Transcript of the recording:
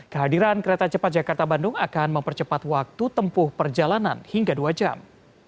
kehadiran kereta cepat jakarta bandung akan mempercepat waktu tempuh perjalanan hingga dua jam